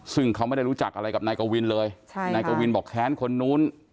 ซึ่งเขาไม่ได้รู้จักอะไรกับนายกวินเลยนายกวินบอกแค้นคนนู้น